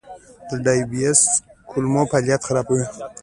د ډایبی ایس د کولمو فعالیت خرابوي.